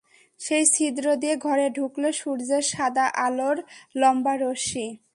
সেই ছিদ্র দিয়ে ঘরে ঢুকল সূর্যের সাদা আলোর লম্বা রশ্মি।